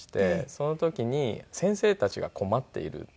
その時に先生たちが困っているっていう。